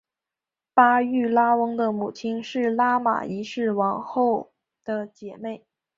巴育拉翁的母亲是拉玛一世王后的姐妹。